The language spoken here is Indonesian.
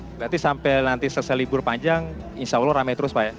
berarti sampai nanti selesai libur panjang insya allah rame terus pak ya